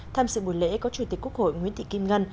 tham dự buổi lễ có chủ tịch quốc hội nguyễn thị kim ngân